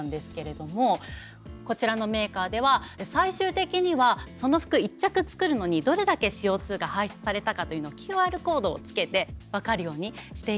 こちらのメーカーでは最終的にはその服１着作るのにどれだけＣＯが排出されたかというのをＱＲコードをつけて分かるようにしていきたいということでした。